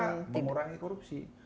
sehingga mengurangi korupsi